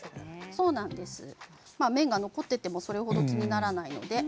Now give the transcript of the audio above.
麺が残っていてもそれ程気にならないので。